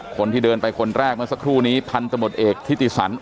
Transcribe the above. คนที่เดินไปคนแรกมันสักครู่นี้พันตำวดเอกที่ติศัลจ์